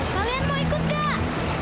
kalian mau ikut kak